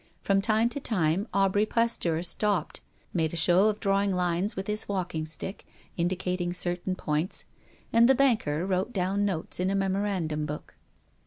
From time to time Aubry Pasteur stopped, made a show of drawing lines with his walking stick, indicating certain points, and the banker wrote down notes in a memorandum book.